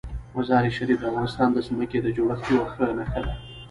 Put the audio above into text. مزارشریف د افغانستان د ځمکې د جوړښت یوه ښه نښه ده.